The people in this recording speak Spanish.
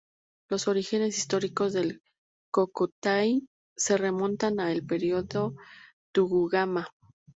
Los orígenes históricos del "Kokutai" se remontan a el Período Tokugawa.